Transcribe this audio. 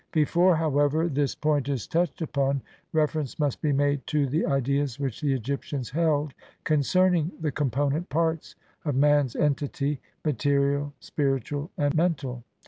Before, however, this point is touched upon reference must be made to the ideas which the Egyptians held concerning the com ponent parts of man's entity, material, spiritual, and mental.